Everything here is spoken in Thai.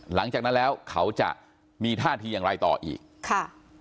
หลังจากนั้นแล้วเขาจะมีท่าทีอย่างไรต่ออีกค่ะ